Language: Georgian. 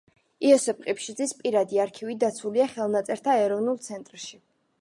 იოსებ ყიფშიძის პირადი არქივი დაცულია ხელნაწერთა ეროვნულ ცენტრში.